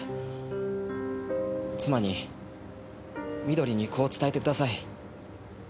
妻に美登里にこう伝えてください。